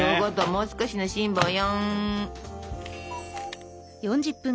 もう少しの辛抱よ。